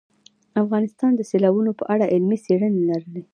افغانستان د سیلابونه په اړه علمي څېړنې لري.